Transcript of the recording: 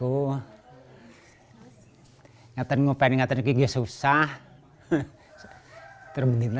saya ingin mengambil penanganan fisioterapi tapi tidak bisa